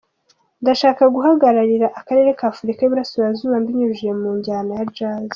Ndashaka guhagararira akarere ka Afurika y’iburasirazuba mbinyujije mu njyana ya Jazz.